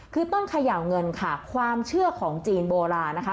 คือต้นเขย่าเงินค่ะความเชื่อของจีนโบราณนะคะ